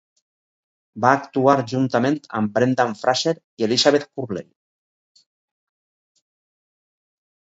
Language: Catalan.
Va actuar juntament amb Brendan Fraser i Elizabeth Hurley.